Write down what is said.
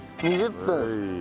２０分。